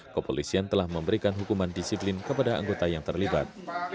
kepolisian telah memberikan hukuman disiplin kepada anggota yang terlibat